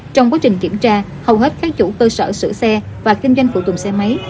trong quá trình kiểm tra hầu hết các chủ cơ sở sửa xe và kinh doanh phụ tùng xe máy